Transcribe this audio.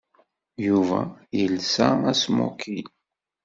Yuba yelsa asmoking.